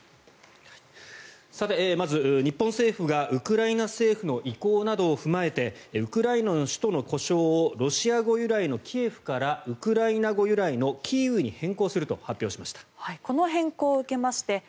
まず日本政府がウクライナ政府の意向などを踏まえてウクライナの首都の呼称をロシア語由来のキエフからウクライナ語由来のキーウに変更すると発表しました。